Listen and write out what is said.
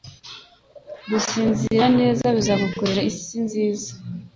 Gusinzira neza bizagukorera isi nziza